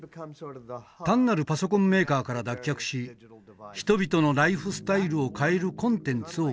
単なるパソコンメーカーから脱却し人々のライフスタイルを変えるコンテンツを生み出したい。